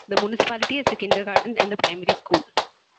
The municipality has a kindergarten and a primary school.